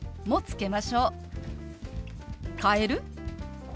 「変える？」。